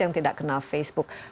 yang tidak kenal facebook